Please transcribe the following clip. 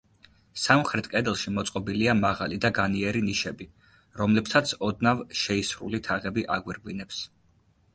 სამხრეთ კედელში მოწყობილია მაღალი და განიერი ნიშები, რომლებსაც ოდნავ შეისრული თაღები აგვირგვინებს.